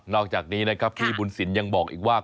อกจากนี้นะครับพี่บุญสินยังบอกอีกว่า